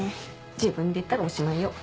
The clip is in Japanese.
自分で言ったらおしまいよ。